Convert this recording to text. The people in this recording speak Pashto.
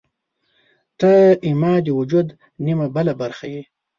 • ته زما د وجود نیمه بله برخه یې.